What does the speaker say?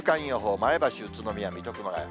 前橋、宇都宮、水戸、熊谷。